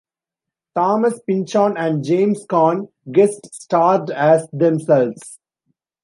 Thomas Pynchon and James Caan guest starred as themselves.